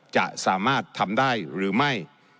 จะสามารถทำได้หรือไม่